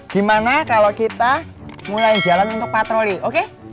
gimana kalau kita mulai jalan untuk patroli oke